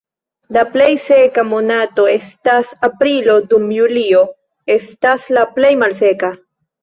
La plej seka monato estas aprilo, dum julio estas la plej malseka.